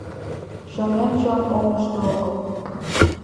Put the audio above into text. Чонем чон олмышто огыл.